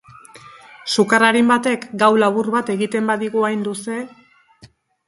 Sukar arin batek gau labur bat egiten badigu hain luze...